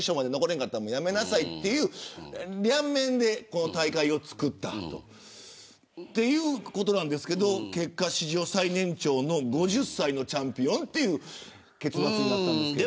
へんかったら辞めなさいという両面でこの大会を作ったということなんですけど、結果史上最年長の５０歳のチャンピオンという結末になったんですけど。